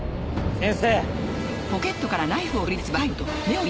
先生！